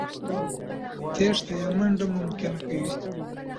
تېښته يا منډه ممکنه کوي.